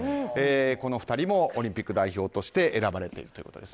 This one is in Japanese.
この２人もオリンピック代表として選ばれているということです。